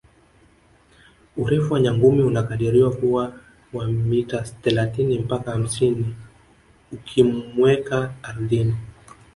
Urefu wa nyangumi unakadiriwa kuwa wa mita thelathini mpaka hamsini ukimuweka ardhini